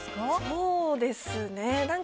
そうですね。